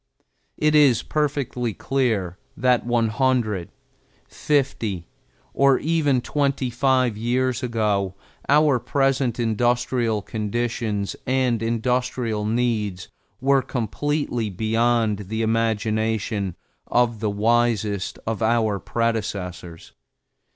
It is perfectly clear that one hundred, fifty, or even twenty five years ago our present industrial conditions and industrial needs were completely beyond the imagination of the wisest of our predecessors.